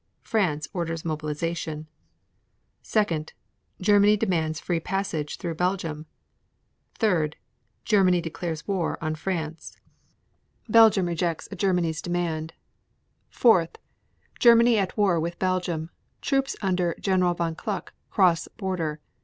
1. France orders mobilization. 2. Germany demands free passage through Belgium. 3. Germany declares war on France. 3. Belgium rejects Germany's demand. 4. Germany at war with Belgium. Troops under Gen. Von Kluck cross border.